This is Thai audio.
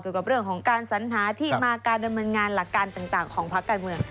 กับเรื่องของการสัญหาที่มาการดำเนินงานหลักการต่างของภาคการเมือง